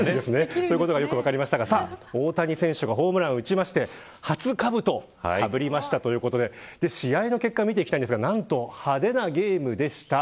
そういうことがよく分かりましたが大谷選手がホームランを打って初かぶと、かぶりましたということで試合の結果を見ていきたいんですが派手なゲームでした。